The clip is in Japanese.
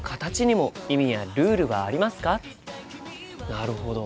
なるほど。